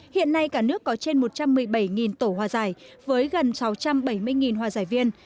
hiện nay cả nước có trên một trăm một mươi bảy tổ hòa giải với gần sáu trăm bảy mươi hòa giải viên